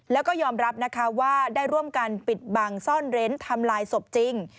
แล้วก็ยอมรับนะคะว่าได้ร่วมกันปิดบังซ่อนเร้นทำลายศพจริง